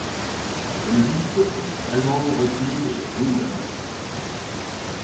Après le but, les Allemands reculent et jouent la montre.